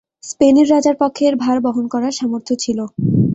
স্পেনের রাজার পক্ষে এর ভার বহন করার সামর্থ্য ছিল।